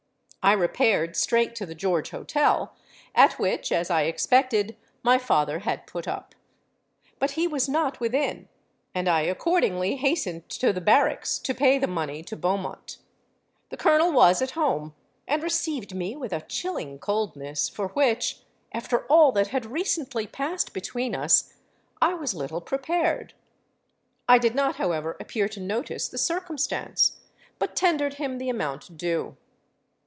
I repaired straight to the George Hotel, at which, as I expected, my father had put up. But he was not within; and I accordingly hastened to the barracks to pay the money to Beaumont. The Colonel was at home, and received me with a chilling coldness for which, after all that had recently passed between us, I was little prepared. I did not however appear to notice the circumstance; but tendered him the amount due.